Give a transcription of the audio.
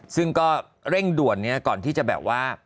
ซึ่งก็เร่งด่วนก่อนที่จะแบบว่า